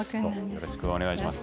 よろしくお願いします。